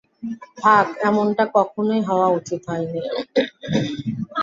ফাক, এমনটা কখনোই হওয়া উচিত হয়নি।